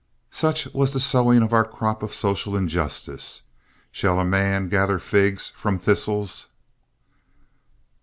Such was the sowing of our crop of social injustice. Shall a man gather figs from thistles?